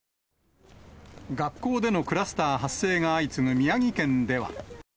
学校でのクラスター発生が相次ぐ宮城県では。